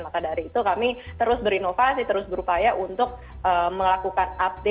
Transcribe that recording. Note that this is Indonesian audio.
maka dari itu kami terus berinovasi terus berupaya untuk melakukan apa yang kita cari